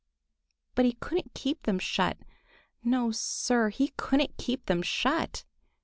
But he couldn't keep them shut. No, Sir, he couldn't keep them shut!